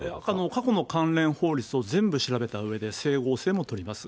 過去の関連法律を全部調べたうえで、整合性も取ります。